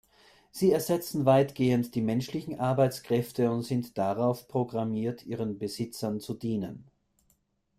Sie ersetzen weitgehend die menschlichen Arbeitskräfte und sind darauf programmiert, ihren Besitzern zu dienen.